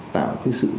tạo cái sự đồng ý